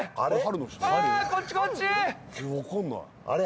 あれ？